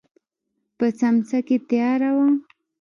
په سمڅه کې تياره وه.